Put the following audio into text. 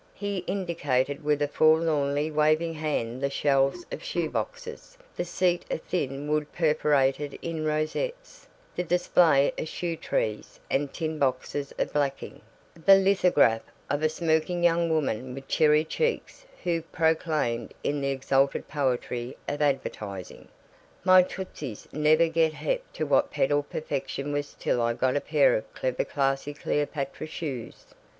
He indicated with a forlornly waving hand the shelves of shoe boxes, the seat of thin wood perforated in rosettes, the display of shoe trees and tin boxes of blacking, the lithograph of a smirking young woman with cherry cheeks who proclaimed in the exalted poetry of advertising, "My tootsies never got hep to what pedal perfection was till I got a pair of clever classy Cleopatra Shoes."